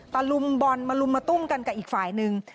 ลุมบอลมาลุมมาตุ้มกันกับอีกฝ่ายหนึ่ง